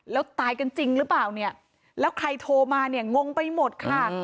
แล้วตายกันจริงหรือเปล่าเนี่ยแล้วใครโทรมาเนี่ยงงไปหมดค่ะ